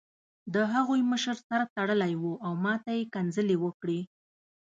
د هغوی مشر سر تړلی و او ماته یې کنځلې وکړې